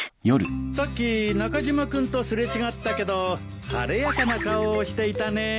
さっき中島君と擦れ違ったけど晴れやかな顔をしていたねえ。